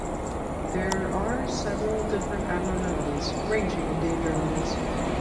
There are several different abnormalities ranging in danger levels.